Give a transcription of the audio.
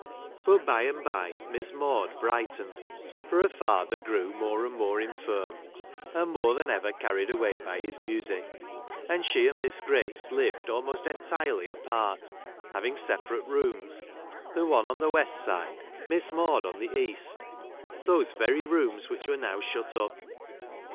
But by I and % Miss Maude brightened ; for her father j grew more and more infirm, and more than ever carried away by his music ; and she and Miss Grace lived almost entirely apart, having separate rooms, the one on the west side — Miss Maude on the east — those very j rooms which Avere now shut up.